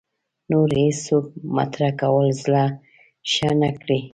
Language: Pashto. نور هېڅوک مطرح کولو زړه ښه نه کړي